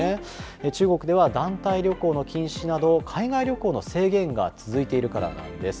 中国では団体旅行の禁止など、海外旅行の制限が続いているからなんです。